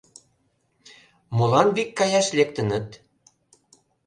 Молан вик каяш лектыныт?